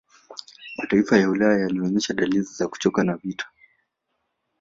Mataifa ya Ulaya yalionesha dalili za kuchoka na vita hii